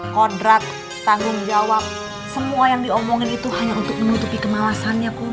kodrat tanggung jawab semua yang diomongin itu hanya untuk menutupi kemalasannya